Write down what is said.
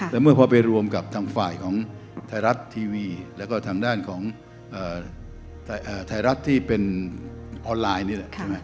แต่เมื่อพอไปรวมกับทางฝ่ายของไทยรัฐทีวีแล้วก็ทางด้านของไทยรัฐที่เป็นออนไลน์นี่แหละใช่ไหม